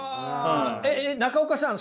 中岡さん